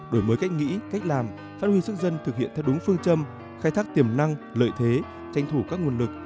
đổi mới cách nghĩ cách làm phát huy sức dân thực hiện theo đúng phương châm khai thác tiềm năng lợi thế tranh thủ các nguồn lực